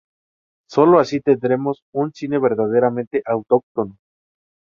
Sólo así tendremos un cine verdaderamente autóctono.